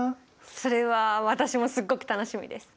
それは私もすっごく楽しみです。